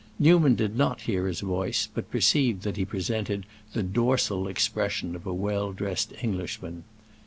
Newman did not hear his voice, but perceived that he presented the dorsal expression of a well dressed Englishman.